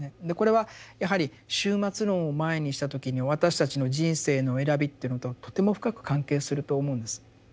でこれはやはり終末論を前にした時の私たちの人生の選びというのととても深く関係すると思うんです。